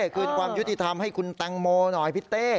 คืนความยุติธรรมให้คุณแตงโมหน่อยพี่เต้